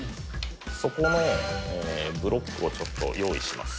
そこのブロックをちょっと用意します。